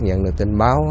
nhận được tin báo